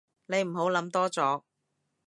你唔好諗多咗